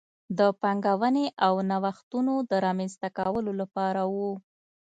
د پانګونې او نوښتونو د رامنځته کولو لپاره و.